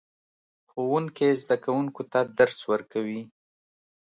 ښوونکی زده کوونکو ته درس ورکوي